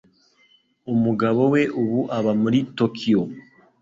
Umugabo we ubu aba muri Tokiyo.